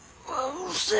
うるせえ。